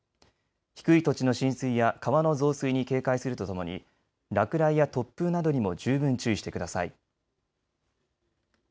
低い土地の浸水や川の増水に警戒するとともに落雷や突風などにも十分注意してください。